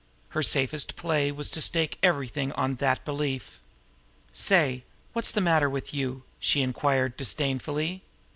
Her safest play was to stake everything on that belief. "Say, what's the matter with you?" she inquired disdainfully.